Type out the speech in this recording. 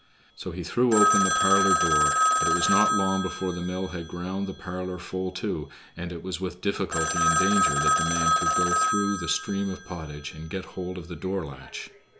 So he threw open the parlor door, but it was not long before the mill had ground the parlor full too, and it was with difficulty and danger that the man could go through the stream of pottage and get hold of the door latch.